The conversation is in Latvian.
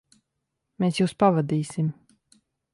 Mēs jūs pavadīsim.